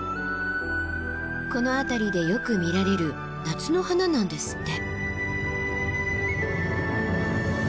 この辺りでよく見られる夏の花なんですって。